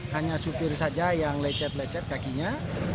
hanya supir saja yang lecet lecet kakinya